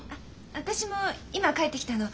私も今帰ってきたの。